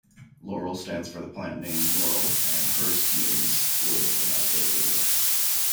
Laurel stands for the plant name Laurel and hurst means wood in archaic English.